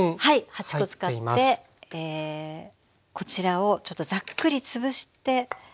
８コ使ってこちらをちょっとざっくり潰して。